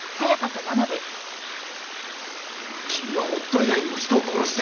君は夫以外にも人を殺している。